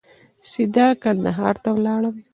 سیده کندهار ته ولاړم.